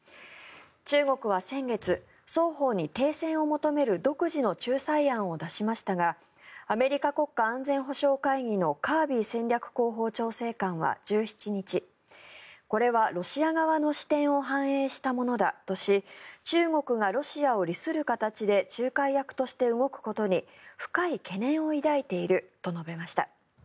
中国は先月、双方に停戦を求める独自の仲裁案を出しましたがアメリカ国家安全保障会議のカービー戦略広報調整官は１７日これはロシア側の視点を反映したものだとし中国がロシアを利する形で仲介役として動くことに深い懸念を抱いていると述べました。